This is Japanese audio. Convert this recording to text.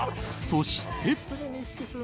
そして。